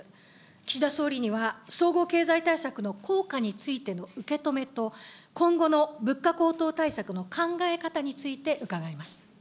岸田総理には、総合経済対策の効果についての受け止めと、今後の物価高騰対策の考え方について伺います。